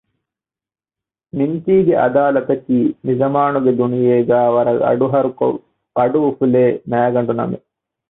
މިންތީގެ އަދާލަތަކީ މިޒަމާނުގެ ދުނިޔޭގައި ވަރަށް އަޑުހަރުކޮށް އަޑުއުފުލޭ މައިގަނޑުނަމެއް